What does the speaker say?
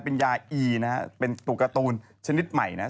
เป็นยาอีนะฮะเป็นตัวการ์ตูนชนิดใหม่นะ